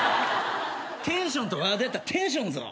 テンションとワードやったらテンションぞ。